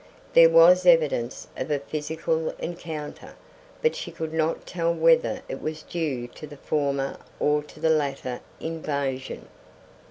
There was evidence of a physical encounter, but she could not tell whether it was due to the former or to the latter invasion.